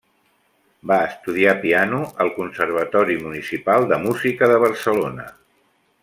Va estudiar piano al Conservatori Municipal de Música de Barcelona.